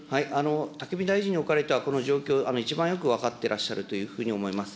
武見大臣におかれては、この状況、一番よく分かってらっしゃるというふうに思います。